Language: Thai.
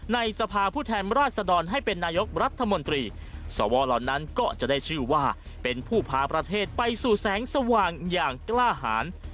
สภาพผู้แทนราชดรให้เป็นนายกรัฐมนตรีสวเหล่านั้นก็จะได้ชื่อว่าเป็นผู้พาประเทศไปสู่แสงสว่างอย่างกล้าหาร